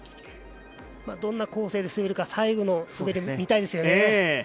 どんな構成で滑るか最後の滑りを見たいですね。